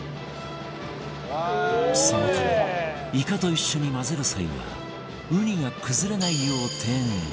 そのためイカと一緒に混ぜる際はウニが崩れないよう丁寧に